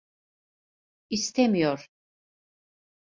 İstemiyor…